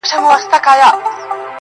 • زه احسان د سپلنیو پر ځان نه وړم..